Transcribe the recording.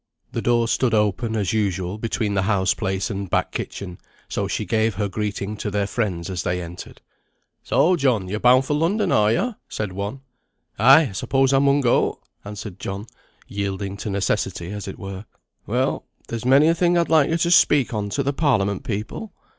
The door stood open, as usual, between the houseplace and back kitchen, so she gave her greeting to their friends as they entered. "So, John, yo're bound for London, are yo?" said one. "Ay, I suppose I mun go," answered John, yielding to necessity as it were. "Well, there's many a thing I'd like yo to speak on to the Parliament people.